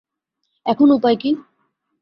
এখন উপায় কী?